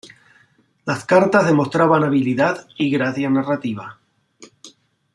Las cartas demostraban habilidad y gracia narrativa.